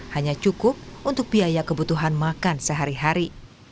hanya cukup untuk biaya kebutuhan makan sehari hari